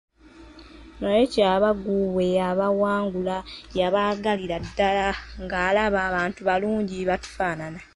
Naye Kyabaggu bwe yabawangula yabaagalira ddala ng'alaba bantu balungi batufaanana.